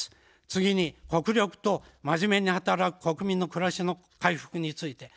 次に国力とまじめに働く国民のくらしの回復について。